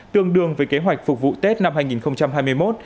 tương đương với kế hoạch phục vụ tết năm hai nghìn hai mươi một